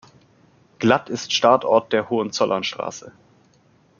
Glatt ist Startort der Hohenzollernstraße.